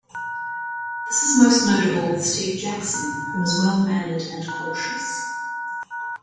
This is most notable with Steve Jackson, who is well-mannered and cautious.